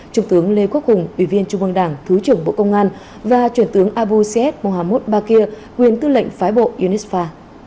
trưởng tướng lê quốc hùng ủy viên trung mương đảng thứ trưởng bộ công an và truyền tướng abu seyed mohamed bakir quyền tư lệnh phái bộ unesco